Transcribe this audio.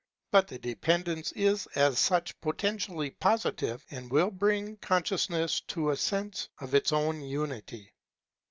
But the dependence is as such potentially posi tive, and will bring consciousness to a sense of its own unity.